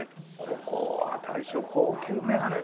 ここは大将高級眼鏡だなあ。